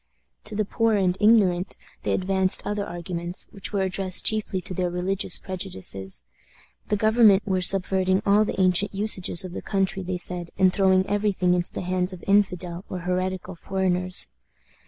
To the poor and ignorant they advanced other arguments, which were addressed chiefly to their religious prejudices. The government were subverting all the ancient usages of the country, they said, and throwing every thing into the hands of infidel or heretical foreigners.